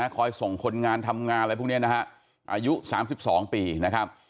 คอยส่งคนงานทำงานอะไรพวกนี้นะฮะอายุ๓๒ปีนะครับ